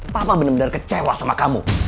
papa benar benar kecewa sama kamu